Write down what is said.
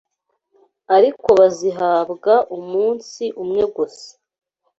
ariko bazihabwa umunsi umwe gusa